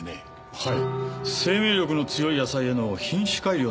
はい。